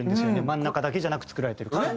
真ん中だけじゃなく作られてるから。